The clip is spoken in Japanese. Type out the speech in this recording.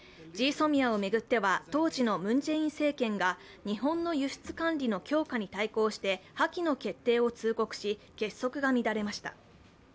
ＧＳＯＭＩＡを巡っては当時のムン・ジェイン政権が日本の輸出管理の強化に対抗して破棄の決定を通告し結束が乱れました。